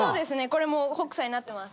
これも北斎になってます。